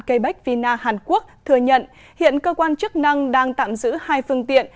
cây bách vina hàn quốc thừa nhận hiện cơ quan chức năng đang tạm giữ hai phương tiện